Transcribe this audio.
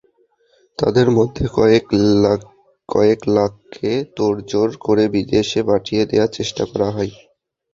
তাঁদের মধ্যে কয়েক লাখকে তোড়জোড় করে বিদেশে পাঠিয়ে দেওয়ার চেষ্টা করা হয়।